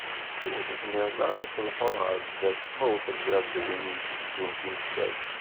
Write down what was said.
Ur tezmireḍ ara ad telḥuḍ ɣer sdat, ma ur telliḍ d win igezzun timsal.